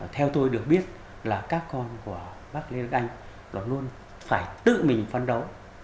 theo tôi được biết là các con của bác lê đức anh luôn phải tự mình phấn đấu